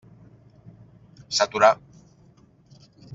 S'aturà.